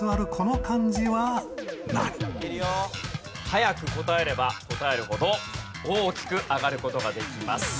早く答えれば答えるほど大きく上がる事ができます。